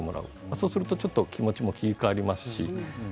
そうすると気持ちも切り替わります。